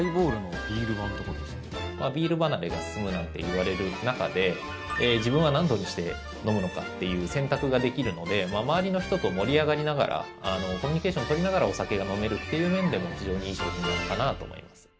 ビール離れが進むなんて言われる中で自分は何度にして飲むのかという選択ができるので周りの人と盛り上がりながらコミュニケーション取りながらお酒が飲めるという面でも非常にいい商品なのかなと思います。